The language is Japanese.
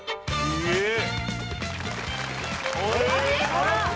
えっ？